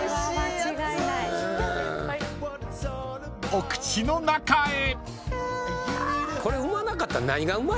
［お口の中へ］